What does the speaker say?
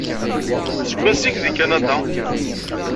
Seg wansi-k deg Kanada?